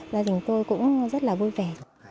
gia đình tôi cũng rất là vui vẻ